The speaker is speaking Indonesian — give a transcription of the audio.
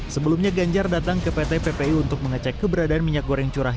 sebelumnya ganjar datang ke pt ppi untuk mengecek keberadaan minyak goreng curah